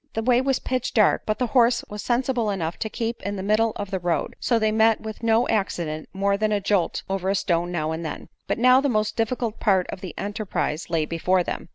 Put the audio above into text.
They way was pitch dark, but the horse was sensible enough to keep in the middle of the road, so they met with no accident more than to jolt over a stone now and then. But now the most difficult part of the enterprise lay before them.